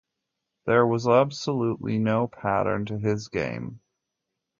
There was absolutely no pattern to his game...